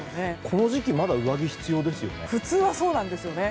この時期まだ上着必要ですよね。